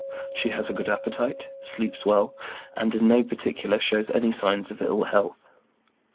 She has a good appetite, sleeps well, and in no particular shows any sign of ill health.